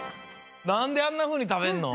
なんであんなふうに食べんの？